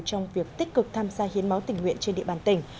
trong việc tích cực tham gia hiến máu tình nguyện trên địa bàn tỉnh